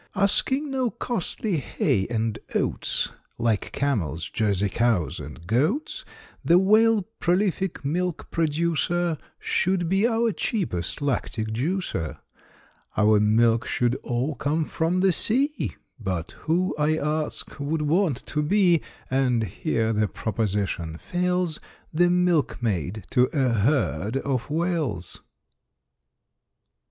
Asking no costly hay and oats, Like camels, Jersey cows, and goats, The Whale, prolific milk producer, Should be our cheapest lactic juicer. Our milk should all come from the sea, But who, I ask, would want to be, And here the proposition fails, The milkmaid to a herd of Whales?